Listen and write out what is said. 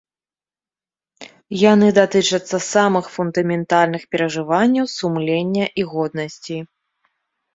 Яны датычацца самых фундаментальных перажыванняў сумлення і годнасці.